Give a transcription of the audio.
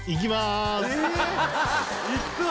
いった！